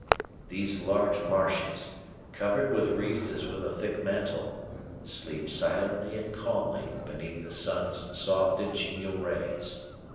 These large marshes, covered with reeds as with a thick mantle, sleep silently and calmly beneath the sun's soft and genial rays.